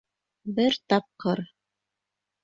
Бер тапҡыр...